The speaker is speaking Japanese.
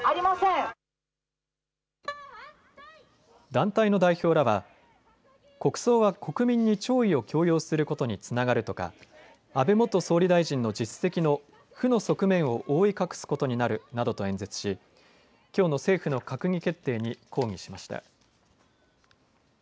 団体の代表らは国葬は国民に弔意を強要することにつながるとか安倍元総理大臣の実績の負の側面を覆い隠すことになるなどと演説しきょうの政府の閣議決定に抗議しました。